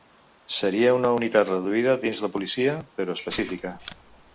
Seria una unitat reduïda dins la policia, però específica.